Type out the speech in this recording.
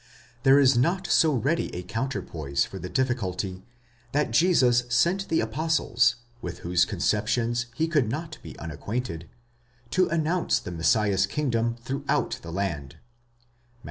'There is not so ready a counterpoise for the difficulty, that Jesus sent the apostles, with whose conceptions he could not be unacquainted, to announce the Messiah's kingdom throughout the land (Matt.